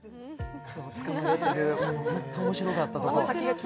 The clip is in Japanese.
本当に面白かった。